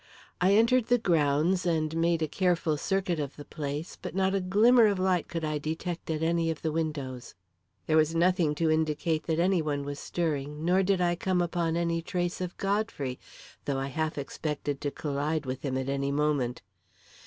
I entered the grounds and made a careful circuit of the place, but not a glimmer of light could I detect at any of the windows. There was nothing to indicate that any one was stirring, nor did I come upon any trace of Godfrey, though I half expected to collide with him at any moment.